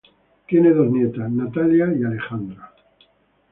Tiene dos nietas, Natalia y Alejandra.